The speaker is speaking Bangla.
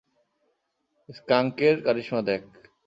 স্কাঙ্কের কারিশমা দেখ।